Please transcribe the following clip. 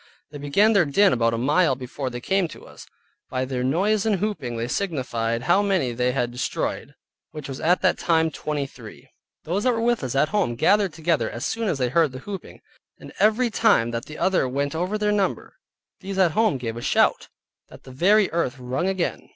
They began their din about a mile before they came to us. By their noise and hooping they signified how many they had destroyed (which was at that time twenty three). Those that were with us at home were gathered together as soon as they heard the hooping, and every time that the other went over their number, these at home gave a shout, that the very earth rung again.